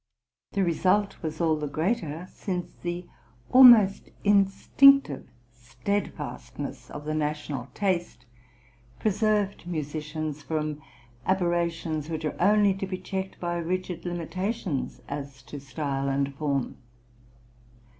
The result was all the greater, since the almost instinctive steadfastness of the national taste preserved musicians from aberrations which are only to be checked by rigid limitations as to style and form.